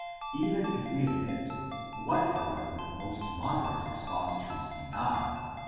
Even if we admit, what however the 'most moderate expositors deny